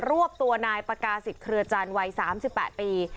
รวบตัวนายประกาศิษย์เครือจันทร์วัยสามสิบแปดปี